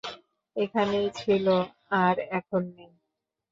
এখানেই ছিল, আর এখন নেই।